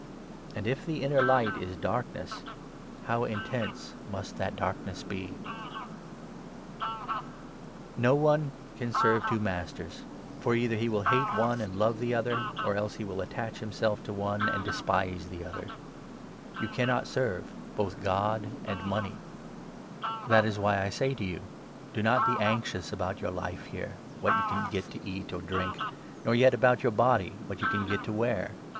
And, if the inner light is darkness, how intense must that darkness be ! No one can serve 24 True two masters, for either he will hate one and love the service, other, or else he will attach himself to one and despise the other. You cannot serve both GoJ and Money. • Isa. »6. ao ; a Kings 4. 33. MATTHEW, 6—7. 53 The Cares That is why I say to you, Do not be anxious 25 or Life. about your life here — what you can get to eat or drink ; nor yet about your body — what you can get to wear.